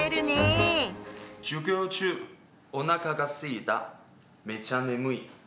「授業中お腹がすいためちゃ眠い」。